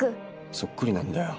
そっくりなんだよ